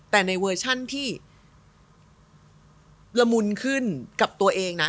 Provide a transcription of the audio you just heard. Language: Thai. แต่ในเวอร์ชันที่ละมุนขึ้นกับตัวเองนะ